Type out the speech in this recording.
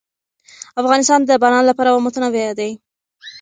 افغانستان د باران له پلوه متنوع دی.